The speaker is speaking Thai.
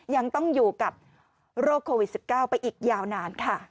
ยังต้องอยู่กับโรคโควิด๑๙ไปอีกยาวนานค่ะ